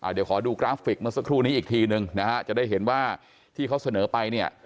เดี๋ยวขอดูกราฟิกเมื่อสักครู่นี้อีกทีนึงนะฮะจะได้เห็นว่าที่เขาเสนอไปเนี่ย